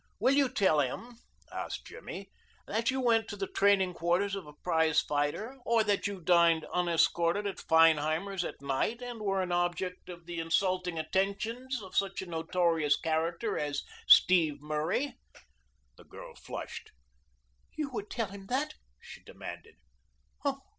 "Will you tell him," asked Jimmy, "that you went to the training quarters of a prize fighter, or that you dined unescorted at Feinheimer's at night and were an object of the insulting attentions of such a notorious character as Steve Murray?" The girl flushed. "You would tell him that?" she demanded.